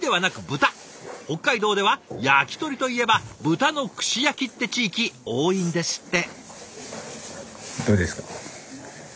北海道では「やきとり」といえば豚の串焼きって地域多いんですって！